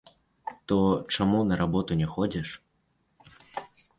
То чаму на работу не ходзіш?